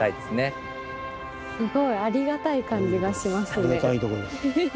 すごい。ありがたい感じがしますね。